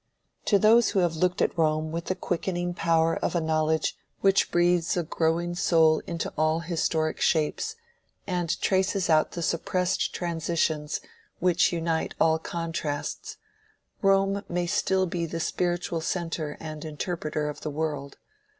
To those who have looked at Rome with the quickening power of a knowledge which breathes a growing soul into all historic shapes, and traces out the suppressed transitions which unite all contrasts, Rome may still be the spiritual centre and interpreter of the world.